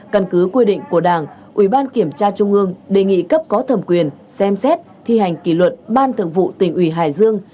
căn cứ quy định của đảng ủy ban kiểm tra trung ương đề nghị cấp có thẩm quyền xem xét thi hành kỷ luật ban thường vụ tỉnh ủy hải dương